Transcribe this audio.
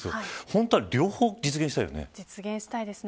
本当は両方実現したいよね。